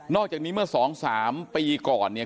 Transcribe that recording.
นอกจากนี้เมื่อสองสามปีก่อนเนี่ย